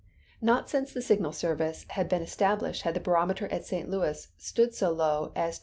Not since the Signal Service had been established had the barometer at St. Louis stood so low as 28.